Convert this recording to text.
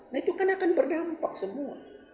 nah itu kan akan berdampak semua